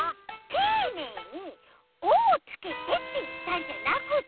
ていねいに「お」をつけてっていったんじゃなくって！